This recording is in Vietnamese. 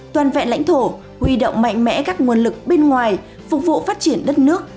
toàn vẹn lãnh thổ huy động mạnh mẽ các nguồn lực bên ngoài phục vụ phát triển đất nước